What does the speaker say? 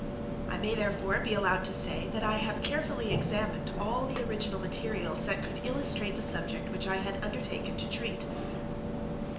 I may therefore be allowed to say, that I have carefully examined all the original materials that could illustrate the subject which I had undertaken to treat.